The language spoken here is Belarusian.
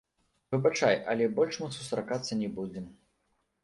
Выбачай, але больш мы сустракацца не будзем.